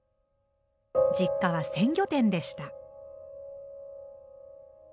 実家は鮮魚店でした。